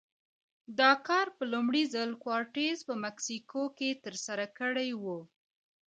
دا کار په لومړي ځل کورټز په مکسیکو کې ترسره کړی و.